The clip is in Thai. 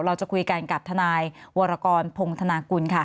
เราจะคุยกันกับถวรพงษ์ธนาคุณ